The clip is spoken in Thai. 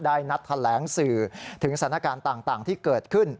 นัดแถลงสื่อถึงสถานการณ์ต่างที่เกิดขึ้น